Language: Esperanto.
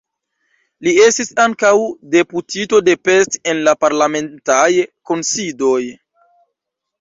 Li estis ankaŭ deputito de Pest en la parlamentaj kunsidoj.